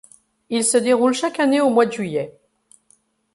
Il se déroule chaque année au mois de juillet.